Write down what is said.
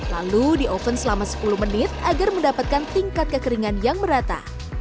lalu di oven selama sepuluh menit agar mendapatkan tingkat kekeringan yang merata